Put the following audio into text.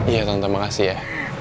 iya tante makasih ya